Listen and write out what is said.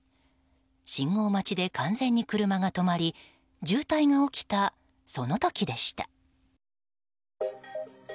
信号待ちで完全に車が止まり渋滞が起きたその時でした。